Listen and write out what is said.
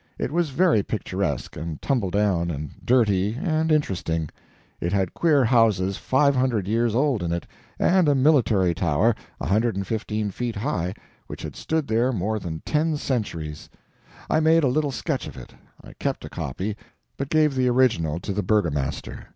It was very picturesque and tumble down, and dirty and interesting. It had queer houses five hundred years old in it, and a military tower 115 feet high, which had stood there more than ten centuries. I made a little sketch of it. I kept a copy, but gave the original to the Burgomaster.